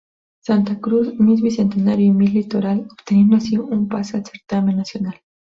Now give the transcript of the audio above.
Santa Cruz, Miss Bicentenario y Miss Litoral obteniendo así un pase al certamen nacional.